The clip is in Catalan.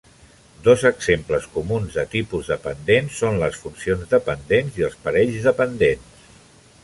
Dos exemples comuns de tipus dependents son les funcions dependents i els parells dependents.